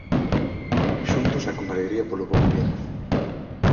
Xuntos e con alegría polo bo vivir.